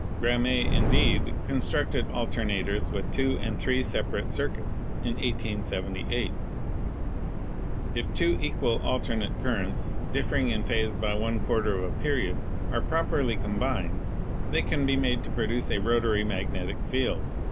Gramme, indeed, constructed alter nators with two and with three separate circuits in 1878. If two equal alternate currents, differing in phase by one quarter of a period, are properly combined, they can be made to produce a rotatory magnetic field.